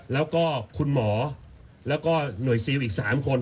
แล้วก็คุณหมอแล้วก็หน่วยซิลอีก๓คน